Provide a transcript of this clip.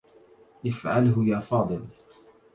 افعله يا فاضل.